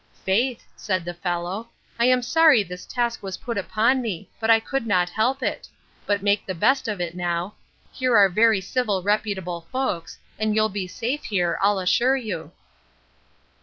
—Faith, said the fellow, I am sorry this task was put upon me; but I could not help it. But make the best of it now; here are very civil reputable folks; and you'll be safe here, I'll assure you.